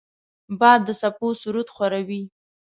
باد د څپو سرود خواره وي